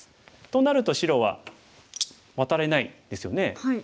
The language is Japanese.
となると白はワタれないですよね。